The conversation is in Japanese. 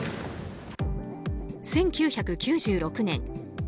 １９９６年